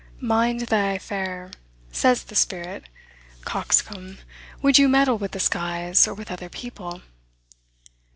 "Mind thy affair," says the spirit: "coxcomb, would you meddle with the skies, or with other people?"